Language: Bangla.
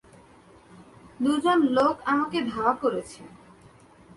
দুজন লোক আমাকে ধাওয়া করছে!